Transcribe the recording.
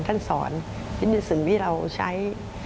ท่านสอนนี่เป็นสิ่งที่เราใช้